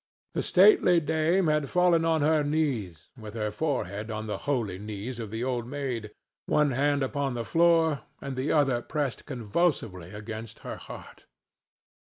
The stately dame had fallen on her knees with her forehead on the holy knees of the Old Maid, one hand upon the floor and the other pressed convulsively against her heart.